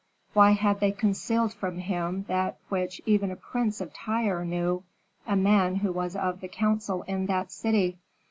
Why had they concealed from him that which even a prince of Tyre knew, a man who was of the council in that city?